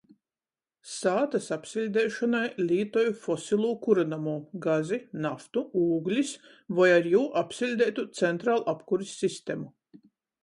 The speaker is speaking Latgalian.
Sātys apsiļdeišonai lītoju fosilū kurynomū: gazi, naftu, ūglis, voi ar jū apsiļdeitu centralapkuris sistemu.